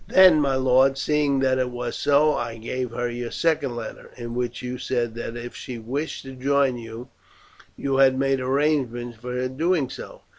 "Then, my lord, seeing that it was so, I gave her your second letter, in which you said that if she wished to join you you had made arrangements for her doing so.